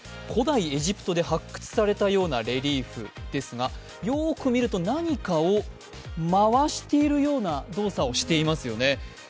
古代エジプトで発掘されたようなレリーフですが、よく見ると、何かを回しているような動作をしていますよね。